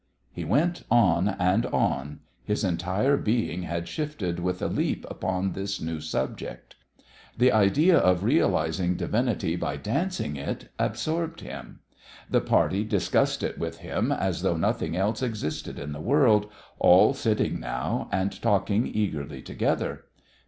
He went on and on. His entire being had shifted with a leap upon this new subject. The idea of realising divinity by dancing it absorbed him. The party discussed it with him as though nothing else existed in the world, all sitting now and talking eagerly together.